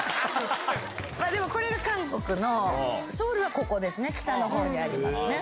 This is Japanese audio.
でも、これが韓国の、ソウルはここですね、北のほうにありますね。